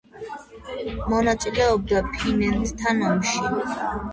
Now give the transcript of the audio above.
მონაწილეობდა ფინეთთან ომში.